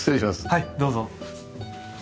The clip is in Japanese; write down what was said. はいどうぞ。